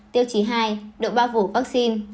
tiêu chí hai độ bao vụ vaccine